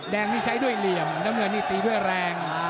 แดงนี่ใช้ด้วยเหลี่ยมน้ำเงินนี่ตีด้วยแรง